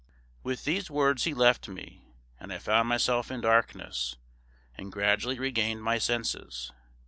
With these words he left me, and I found myself in darkness, and gradually regained my senses.